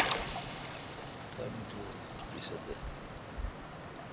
تاننی دور تہ۔ ا قیصہ دہ۔